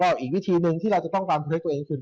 แล้วก็อีกวิธีนึงที่เราจะต้องการเพื่อให้ตัวเองคือ